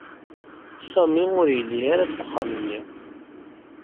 Sami ur yelli ara deg uxxam-nni.